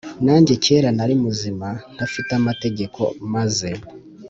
Nanjye kera nari muzima ntafite amategeko maze